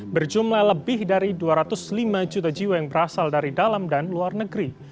berjumlah lebih dari dua ratus lima juta jiwa yang berasal dari dalam dan luar negeri